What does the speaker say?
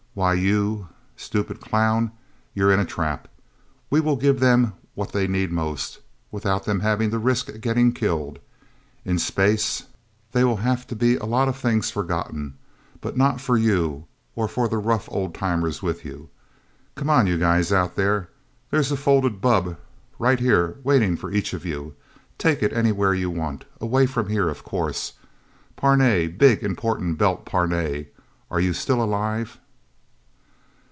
Why, you stupid clown, you're in a trap! We will give them what they need most, without them having to risk getting killed. In space, there'll have to be a lot of things forgotten, but not for you or for the rough old timers with you... Come on, you guys out there. There's a folded bubb right here waiting for each of you. Take it anywhere you want away from here, of course... Parnay big, important Belt Parnay are you still alive...?"